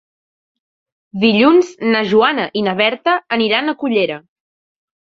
Dilluns na Joana i na Berta aniran a Cullera.